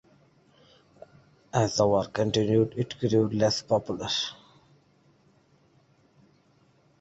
As the war continued, it grew less popular.